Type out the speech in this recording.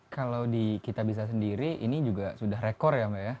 kalau di kitabisa sendiri ini juga sudah rekor ya mbak ya